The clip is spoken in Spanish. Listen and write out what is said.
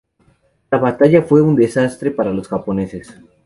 La batalla fue un desastre para los japoneses.